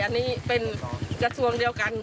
อันนี้เป็นกระทรวงเดียวกัน